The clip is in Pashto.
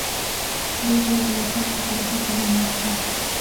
دوی باید له خلکو سره ښه چلند وکړي.